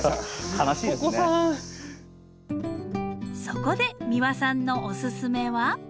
そこで三輪さんのおすすめは？